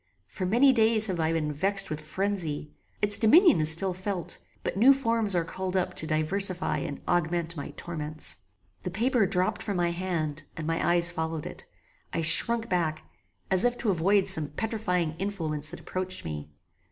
For many days have I been vexed with frenzy. Its dominion is still felt; but new forms are called up to diversify and augment my torments. The paper dropped from my hand, and my eyes followed it. I shrunk back, as if to avoid some petrifying influence that approached me.